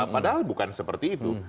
padahal bukan seperti itu